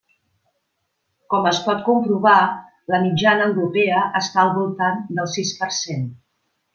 Com es pot comprovar, la mitjana europea està al voltant del sis per cent.